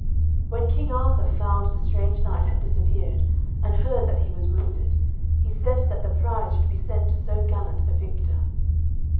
When King Arthur found the strange knight had disappeared, and heard that he was wounded, he said that the prize should be sent to so gallant a victor.